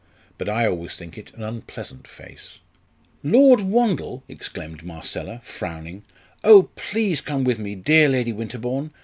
But I always think it an unpleasant face." "Lord Wandle!" exclaimed Marcella, frowning. "Oh, please come with me, dear Lady Winterbourne!